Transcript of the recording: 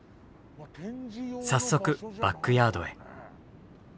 早速バックヤードへ。